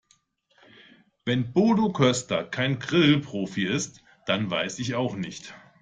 Wenn Bodo Köster kein Grillprofi ist, dann weiß ich auch nicht.